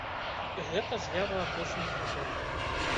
Гэта з'ява апошніх гадоў.